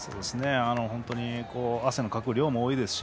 本当に汗のかく量も多いですし